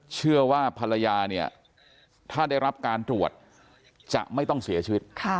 เชื่อว่าภรรยาเนี่ยถ้าได้รับการตรวจจะไม่ต้องเสียชีวิต